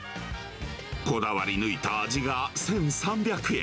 こだわり抜いた味が１３００円。